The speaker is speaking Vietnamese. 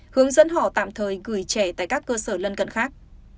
họ tạm thời gửi trẻ tại các cơ sở lân cận khác